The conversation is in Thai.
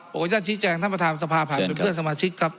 อนุญาตชี้แจงท่านประธานสภาผ่านเป็นเพื่อนสมาชิกครับ